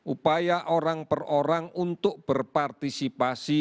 upaya orang per orang untuk berpartisipasi